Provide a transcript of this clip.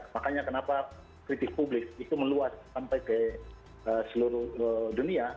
makanya kenapa kritik publik itu meluas sampai ke seluruh dunia